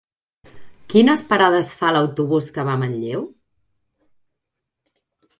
Quines parades fa l'autobús que va a Manlleu?